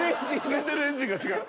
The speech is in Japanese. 積んでるエンジンが違う。